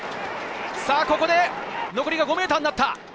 ここで残り５ｍになった。